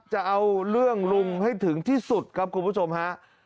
จะเอาเรื่องลุงให้ถึงที่สุดครับคุณผู้ชมฮะ